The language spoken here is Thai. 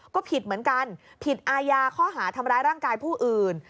ก็ผิดเหมือนกันผิดอายาข้อหาทำร้ายร่างกายผู้อื่น